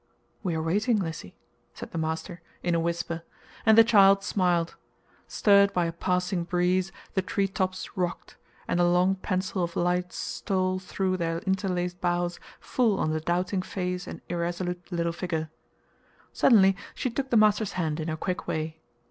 "We are waiting, Lissy," said the master, in a whisper, and the child smiled. Stirred by a passing breeze, the treetops rocked, and a long pencil of light stole through their interlaced boughs full on the doubting face and irresolute little figure. Suddenly she took the master's hand in her quick way.